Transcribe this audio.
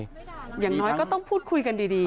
อย่างน้อยก็ต้องพูดคุยกันดี